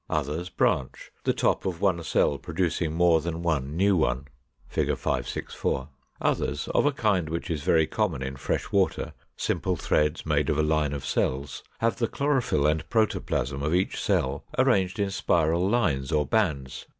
Others branch, the top of one cell producing more than one new one (Fig. 564). Others, of a kind which is very common in fresh water, simple threads made of a line of cells, have the chlorophyll and protoplasm of each cell arranged in spiral lines or bands.